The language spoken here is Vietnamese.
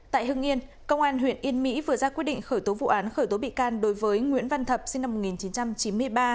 tại hưng yên công an huyện yên mỹ vừa ra quyết định khởi tố vụ án khởi tố bị can đối với nguyễn văn thập sinh năm một nghìn chín trăm chín mươi ba